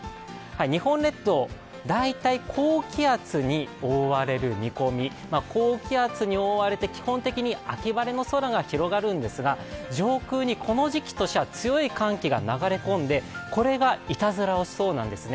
日本列島、大体高気圧に覆われる見込み、高気圧に覆われて基本的に秋晴れの空が広がるんですが上空にこの時期としては強い寒気が流れ込んでこれがいたずらをしそうなんですね。